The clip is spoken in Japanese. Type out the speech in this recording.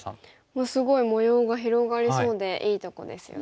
もうすごい模様が広がりそうでいいとこですよね。